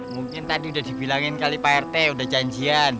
mungkin tadi udah dibilangin kali pak rt udah janjian